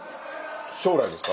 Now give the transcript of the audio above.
将来ですか？